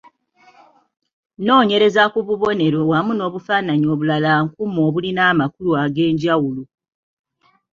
Noonyereza ku bubonero wamu n’obufaananyi obulala nkumu obulina amakulu ag’enjawulo.